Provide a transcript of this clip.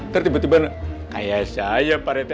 tertiba tiba kayak saya pak rete